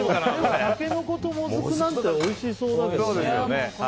タケノコともずくなんておいしそうだけどね。